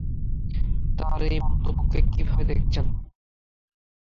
তাঁর এই মন্তব্যকে কীভাবে দেখছেন?